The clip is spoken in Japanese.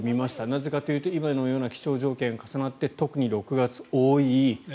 なぜかというと今のような気象条件が重なって特に６月、多い。